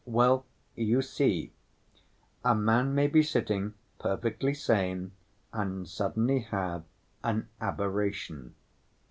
Well, you see, a man may be sitting perfectly sane and suddenly have an aberration.